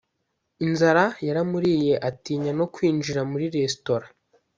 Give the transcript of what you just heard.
inzara yaramuriye atinya nokwinjira muri restora.